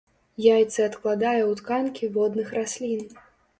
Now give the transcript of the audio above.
Яйцы адкладае ў тканкі водных раслін.